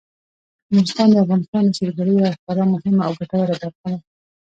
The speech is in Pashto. نورستان د افغانستان د سیلګرۍ یوه خورا مهمه او ګټوره برخه ده.